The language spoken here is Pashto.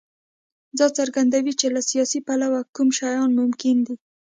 دا څرګندوي چې له سیاسي پلوه کوم شیان ممکن دي.